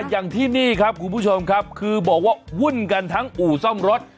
อย่างที่นี่ครับคุณผู้ชมครับคือบอกว่าวุ่นกันทั้งอู่ซ่อมรถ